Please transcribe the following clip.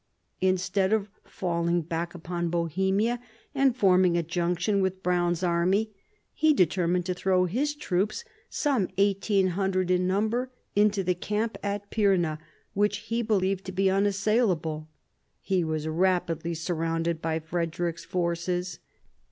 Instead of falling back upon Bohemia and forming a junction with Browne's army, he deter mined to throw his troops, some 18,000 in number, into the camp at Pirna, which he believed to be unassailable. He was rapidly surrounded by Frederick's forces.